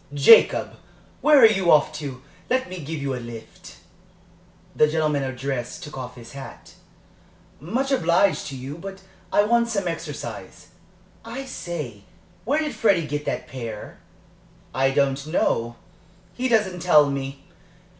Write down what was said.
"Jacob, where are you off to? Let me give you a lift?" The gentleman addressed took off his hat. "Much obliged to you, but I want some exercise. I say, where did Freddie get that pair?" "I don't know, he doesn't tell me.